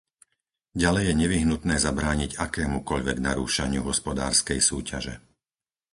Ďalej je nevyhnutné zabrániť akémukoľvek narúšaniu hospodárskej súťaže.